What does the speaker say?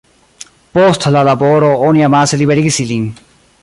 Post la laboro oni amase liberigis ilin.